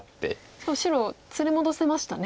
しかも白連れ戻せましたね。